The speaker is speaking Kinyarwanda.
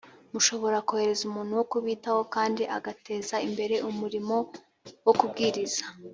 mushobora kohereza umuntu wo kubitaho kandi agateza imbere umurimo wo kubwiriza